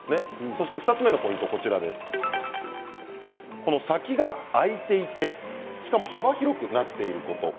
２つ目のポイントは先が空いていてしかも幅広くなっていること。